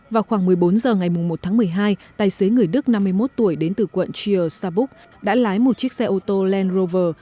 vào khoảng một mươi bốn giờ ngày một tháng một mươi hai tài xế người đức năm mươi một tuổi đến từ quận chio sa búc đã lái một chiếc xe ô tô land rover